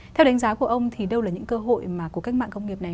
theo đánh giá của ông thì đâu là những cơ hội mà cuộc cách mạng công nghiệp này